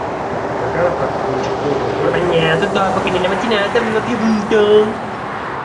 La gara parte con il circuito ancora bagnato dopo che nella mattinata aveva piovuto.